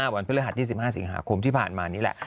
วันพฤหัสที่๑๕สิงหาคมที่ผ่านมานี่แหละ